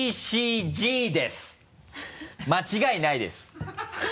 間違いないです！